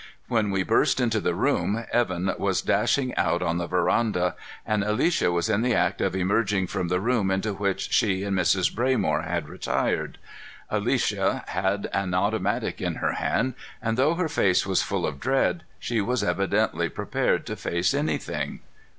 When we burst into the room, Evan was dashing out on the veranda, and Alicia was in the act of emerging from the room into which she and Mrs. Braymore had retired. Alicia had an automatic in her hand and, though her face was full of dread, she was evidently prepared to face anything.